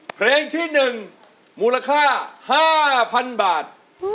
เพลงที่๑มูลค่า๕๐๐๐บาท